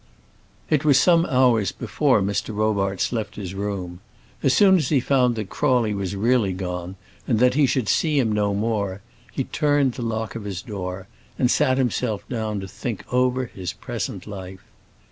It was some hours before Mr. Robarts left his room. As soon as he found that Crawley was really gone, and that he should see him no more, he turned the lock of his door, and sat himself down to think over his present life.